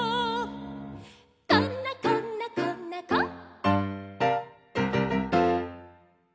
「こんなこんなこんなこ」